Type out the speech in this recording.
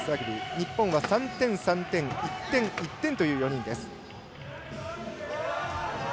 日本は３点、３点１点、１点という４人。